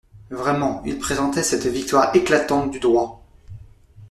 Vraiment il pressentait cette victoire éclatante du Droit.